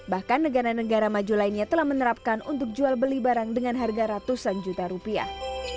bahkan negara negara maju lainnya telah menerapkan untuk jual beli barang dengan harga ratusan juta rupiah